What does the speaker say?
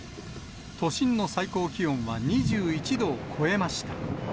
都心の最高気温は２１度を超えました。